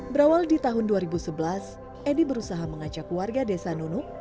berawal di tahun dua ribu sebelas edi berusaha mengajak warga desa nunuk